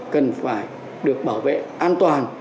cần phải được bảo vệ an toàn